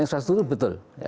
saya setuju saya setuju betul